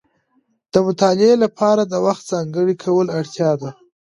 د مطالعې لپاره د وخت ځانګړی کولو اړتیا ده.